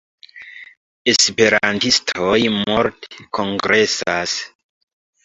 Esperantistoj multe kongresas.